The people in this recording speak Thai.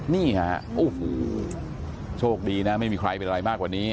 นี่ฮะโอ้โหโชคดีนะไม่มีใครเป็นอะไรมากกว่านี้